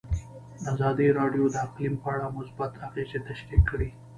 ازادي راډیو د اقلیم په اړه مثبت اغېزې تشریح کړي.